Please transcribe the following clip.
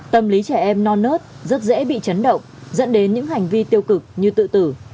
tâm lý trẻ em non nớt rất dễ bị chấn động dẫn đến những hành vi tiêu cực như tự tử